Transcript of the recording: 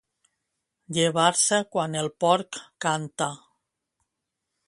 Llevar-se quan el porc canta.